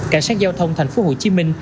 cảnh sát giao thông tp hcm